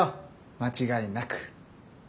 間違いなく。